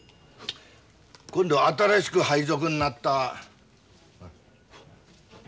今度新しく配属になった。